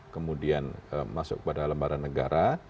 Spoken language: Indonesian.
kemudian masuk kepada lembaga negara